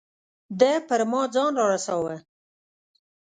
ده پر ما ځان را رساوه.